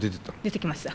出ていきました。